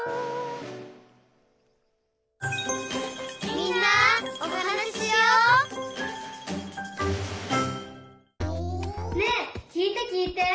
「みんなおはなししよう」ねえきいてきいて。